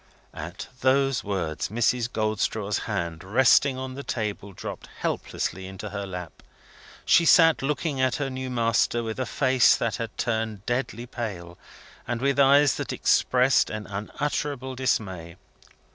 At those words Mrs. Goldstraw's hand, resting on the table, dropped helplessly into her lap. She sat, looking at her new master, with a face that had turned deadly pale, and with eyes that expressed an unutterable dismay.